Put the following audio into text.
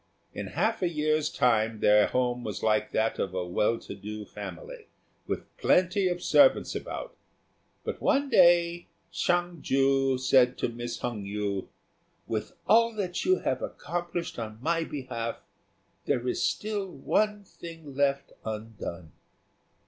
In half a year's time their home was like that of a well to do family, with plenty of servants about; but one day Hsiang ju said to Miss Hung yü, "With all that you have accomplished on my behalf, there is still one thing left undone."